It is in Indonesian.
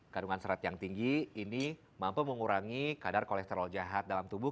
kandungan serat yang tinggi ini mampu mengurangi kadar kolesterol jahat dalam tubuh